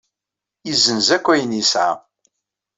Yessenz akk ayen yesɛa.